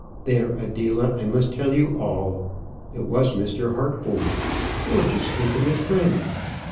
There, Adela, I must tell you all. It was Mr. Harcourt, George's intimate friend.